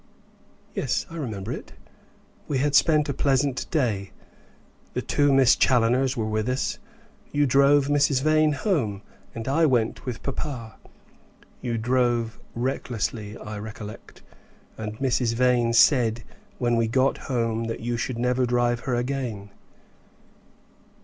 "Yes, I remember it. We had spent a pleasant day; the two Miss Challoners were with us. You drove Mrs. Vane home, and I went with papa. You drove recklessly, I recollect, and Mrs. Vane said when we got home that you should never drive her again."